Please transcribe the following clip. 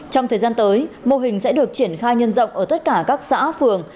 trong thời gian tới mô hình sẽ được triển khai nhân rộng ở tất cả các xã phường